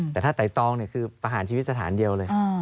แต่ถ้าไต่ตองคือประหารชีวิตสถานเดียวเลย